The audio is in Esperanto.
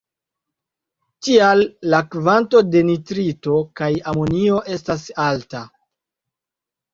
Tial la kvanto de nitrito kaj amonio estas alta.